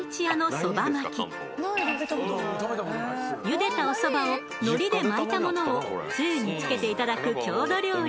ゆでたおそばを海苔で巻いたものをつゆにつけていただく郷土料理。